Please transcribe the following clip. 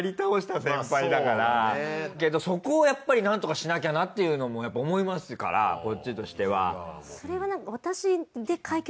けどそこはやっぱりなんとかしなきゃなっていうのもやっぱ思いますからこっちとしては。